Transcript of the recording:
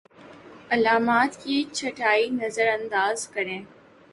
علامات کی چھٹائی نظرانداز کریں